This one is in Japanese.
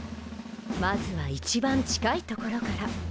まずは一番近い所から。